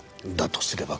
とすれば